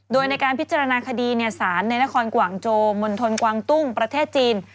โดยในการพิจารณาคดีสารในนครกว่างโจมณฑลกวางตุ้งประเทศจีน